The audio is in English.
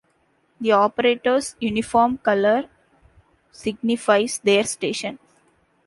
The Operators' uniform color signifies their station.